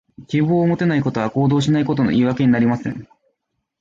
希望を持てないことは、行動しないことの言い訳にはなりません。